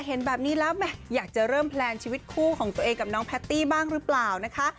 เห็นแบบนี้แล้วอยากจะเริ่มแพลนชีวิตคู่ของตัวเองกับน้องแพตตี้บ้างหรือเปล่านะคะ